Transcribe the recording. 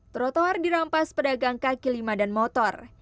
trotoar dirampas pedagang kaki lima dan motor